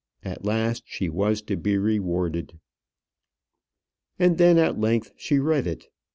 At last she was to be rewarded. And then at length she read it.